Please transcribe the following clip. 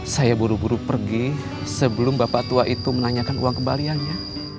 saya buru buru pergi sebelum bapak tua itu menanyakan uang kembaliannya